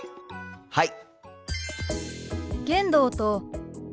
はい！